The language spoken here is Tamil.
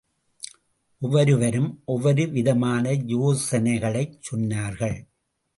ஒவ்வொருவரும் ஒவ்வொரு விதமான யோசனைகளைச் சொன்னார்கள்.